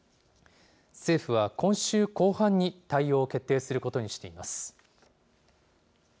政府は今週後半に対応を決定することにしています。